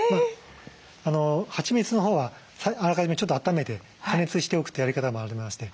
はちみつのほうはあらかじめちょっとあっためて加熱しておくってやり方もありまして。